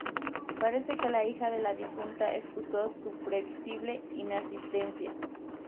Parece que la hija de la difunta excusó su previsible inasistencia